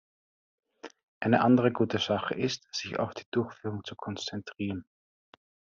Eine andere gute Sache ist, sich auf die Durchführung zu konzentrieren.